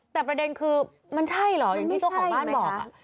แต่ประเด็นคือมันใช่เหรออย่างที่เจ้าของบ้านบอก